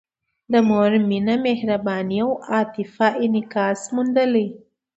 د مور مینه، مهرباني او عاطفه انعکاس موندلی.